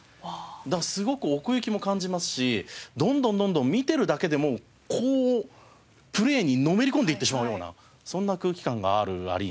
だからすごく奥行きも感じますしどんどんどんどん見てるだけでもこうプレーにのめり込んでいってしまうようなそんな空気感があるアリーナでした。